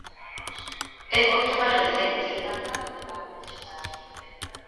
¡É moito máis recente!